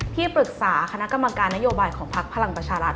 ที่ปรึกษาคณะกรรมการนโยบายของพักพลังประชารัฐ